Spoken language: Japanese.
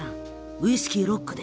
ウイスキーロックで。